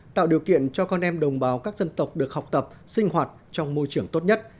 tạo điều kiện cho con em đồng bào các dân tộc được học tập sinh hoạt trong môi trường tốt nhất